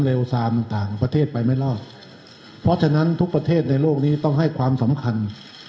ซามต่างประเทศไปไม่รอดเพราะฉะนั้นทุกประเทศในโลกนี้ต้องให้ความสำคัญ